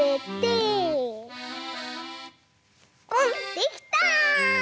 できた。